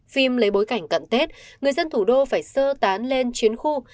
phim lấy bối cảnh cận tết người dân thủ đô phải sơ tán lên chuyến khu